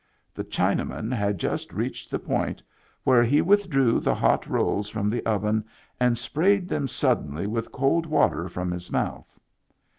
The Chinaman had just reached the point where he withdrew the hot rolls from the oven and sprayed them suddenly with cold water from his mouth.